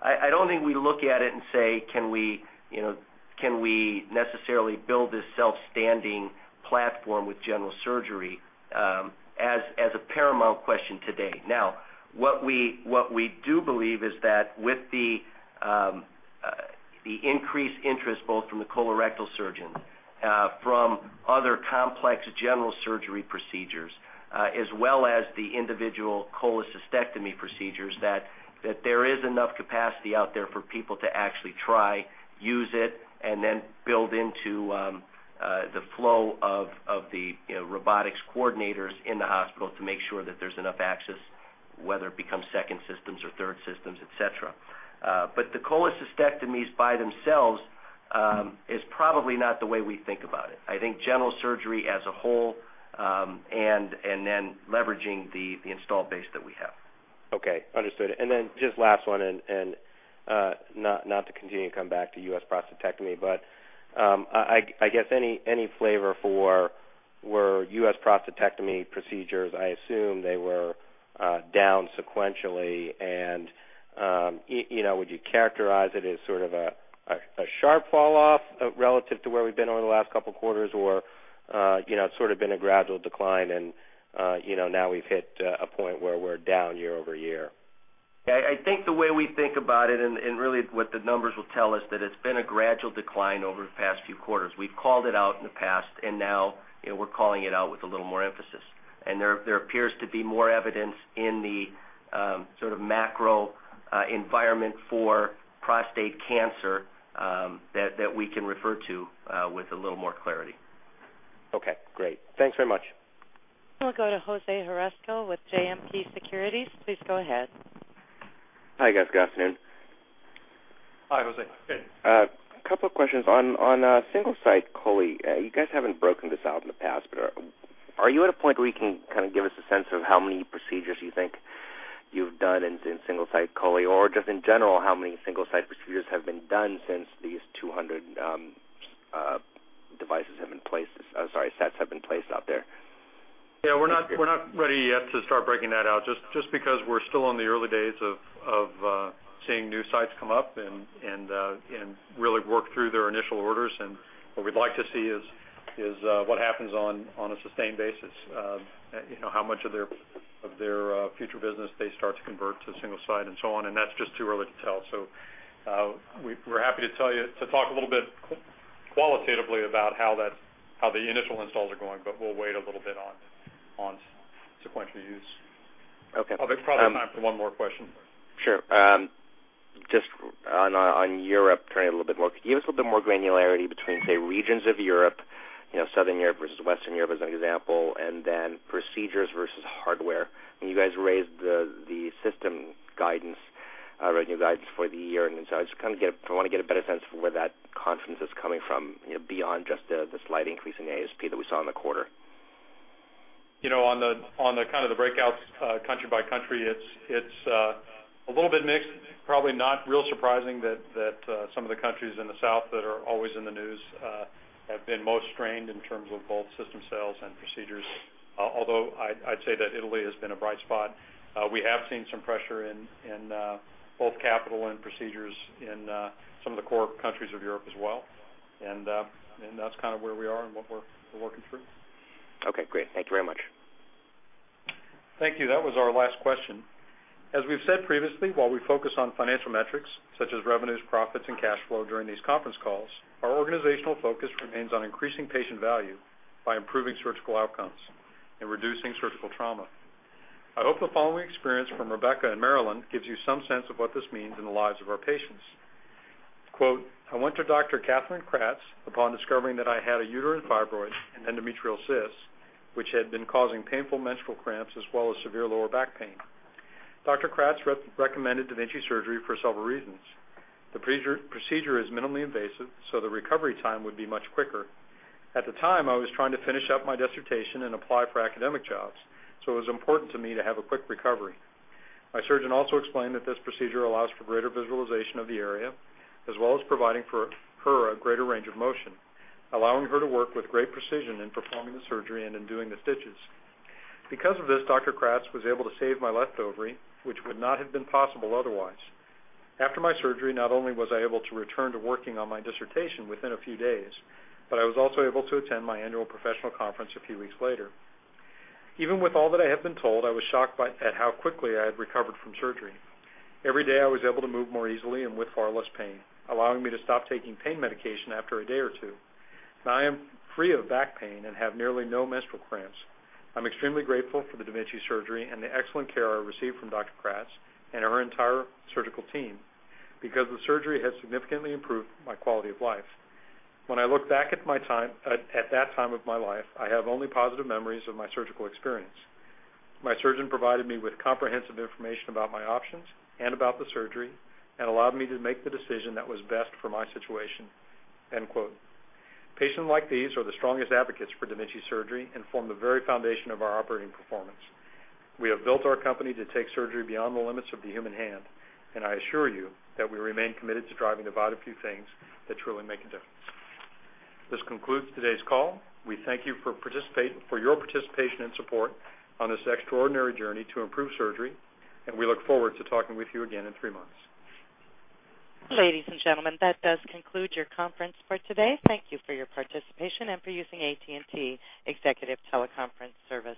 I don't think we look at it and say, can we necessarily build this self-standing platform with general surgery as a paramount question today. What we do believe is that with the increased interest both from the colorectal surgeon, from other complex general surgery procedures, as well as the individual cholecystectomy procedures, that there is enough capacity out there for people to actually try, use it, and then build into the flow of the robotics coordinators in the hospital to make sure that there's enough access, whether it becomes second systems or third systems, et cetera. The cholecystectomies by themselves is probably not the way we think about it. I think general surgery as a whole, leveraging the install base that we have. Okay, understood. Just last one, not to continue to come back to U.S. prostatectomy, but I guess any flavor for where U.S. prostatectomy procedures, I assume they were down sequentially. Would you characterize it as sort of a sharp fall-off relative to where we've been over the last couple of quarters? It's sort of been a gradual decline, and now we've hit a point where we're down year-over-year? I think the way we think about it, really what the numbers will tell us, that it's been a gradual decline over the past few quarters. We've called it out in the past, now we're calling it out with a little more emphasis. There appears to be more evidence in the sort of macro environment for prostate cancer that we can refer to with a little more clarity. Okay, great. Thanks very much. We'll go to Jose Haresco with JMP Securities. Please go ahead. Hi, guys. Good afternoon. Hi, Jose. A couple of questions. On Single-Site chole, you guys haven't broken this out in the past, but are you at a point where you can kind of give us a sense of how many procedures you think you've done in Single-Site chole? Or just in general, how many Single-Site procedures have been done since these 200 sets have been placed out there? Yeah, we're not ready yet to start breaking that out just because we're still in the early days of seeing new sites come up and really work through their initial orders. What we'd like to see is what happens on a sustained basis. How much of their future business they start to convert to Single-Site and so on, and that's just too early to tell. We're happy to talk a little bit qualitatively about how the initial installs are going, but we'll wait a little bit on sequential use. Okay. There's probably time for one more question. Sure. Just on Europe, give us a little bit more granularity between, say, regions of Europe, Southern Europe versus Western Europe as an example, then procedures versus hardware. When you guys raised the system revenue guidance for the year I want to get a better sense of where that confidence is coming from beyond just the slight increase in ASP that we saw in the quarter. On the kind of the breakouts country by country, it's a little bit mixed. Probably not real surprising that some of the countries in the south that are always in the news have been most strained in terms of both system sales and procedures. Although, I'd say that Italy has been a bright spot. We have seen some pressure in both capital and procedures in some of the core countries of Europe as well, and that's kind of where we are and what we're working through. Okay, great. Thank you very much. Thank you. That was our last question. As we've said previously, while we focus on financial metrics such as revenues, profits, and cash flow during these conference calls, our organizational focus remains on increasing patient value by improving surgical outcomes and reducing surgical trauma. I hope the following experience from Rebecca in Maryland gives you some sense of what this means in the lives of our patients. Quote, "I went to Dr. Katherine Kratz upon discovering that I had a uterine fibroid and endometrial cyst, which had been causing painful menstrual cramps as well as severe lower back pain. Dr. Kratz recommended da Vinci surgery for several reasons. The procedure is minimally invasive, so the recovery time would be much quicker. At the time, I was trying to finish up my dissertation and apply for academic jobs, so it was important to me to have a quick recovery. My surgeon also explained that this procedure allows for greater visualization of the area, as well as providing her a greater range of motion, allowing her to work with great precision in performing the surgery and in doing the stitches. Because of this, Dr. Kratz was able to save my left ovary, which would not have been possible otherwise. After my surgery, not only was I able to return to working on my dissertation within a few days, but I was also able to attend my annual professional conference a few weeks later. Even with all that I had been told, I was shocked at how quickly I had recovered from surgery. Every day, I was able to move more easily and with far less pain, allowing me to stop taking pain medication after a day or two. Now I am free of back pain and have nearly no menstrual cramps. I'm extremely grateful for the da Vinci surgery and the excellent care I received from Dr. Kratz and her entire surgical team because the surgery has significantly improved my quality of life. When I look back at that time of my life, I have only positive memories of my surgical experience. My surgeon provided me with comprehensive information about my options and about the surgery and allowed me to make the decision that was best for my situation." End quote. Patients like these are the strongest advocates for da Vinci surgery and form the very foundation of our operating performance. We have built our company to take surgery beyond the limits of the human hand, and I assure you that we remain committed to driving the vital few things that truly make a difference. This concludes today's call. We thank you for your participation and support on this extraordinary journey to improve surgery, and we look forward to talking with you again in three months. Ladies and gentlemen, that does conclude your conference for today. Thank you for your participation and for using AT&T Executive Teleconference Service.